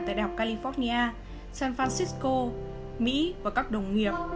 tại đại học california san francisco mỹ và các đồng nghiệp